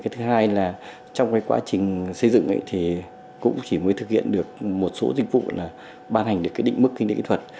thứ hai là trong quá trình xây dựng thì cũng chỉ mới thực hiện được một số dịch vụ là ban hành được cái định mức kinh tế kỹ thuật